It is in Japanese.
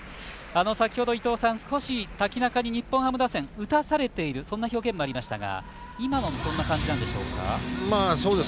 先ほど、伊東さん、瀧中に日本ハム打線、打たされているそんな表現もありましたが今も、そんな感じなんでしょうか。